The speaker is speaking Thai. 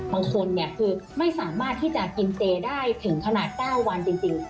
บางคนเนี่ยคือไม่สามารถที่จะกินเจได้ถึงขนาด๙วันจริง